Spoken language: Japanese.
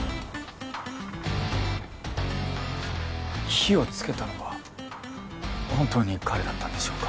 火をつけたのは本当に彼だったんでしょうか？